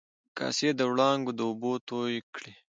کاسي د و ړانګو د اوبو توی کړي